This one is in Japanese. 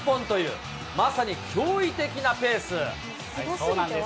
そうなんです。